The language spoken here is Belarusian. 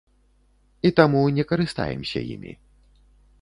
І таму не карыстаемся імі.